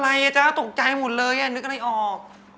อะไรอ่ะจ๊ะตกใจหมดเลยนึกอะไรออก